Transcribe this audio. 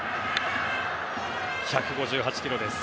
１５８キロです。